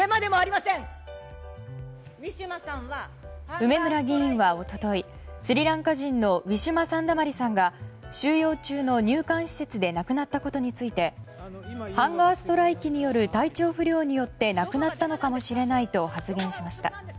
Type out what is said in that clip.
梅村議員は一昨日スリランカ人のウィシュマ・サンダマリさんが収容中の入管施設で亡くなったことについてハンガーストライキによる体調不良によって亡くなったのかもしれないと発言しました。